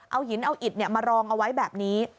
เอาหินเอาอิดมารองเอาไว้แบบนี้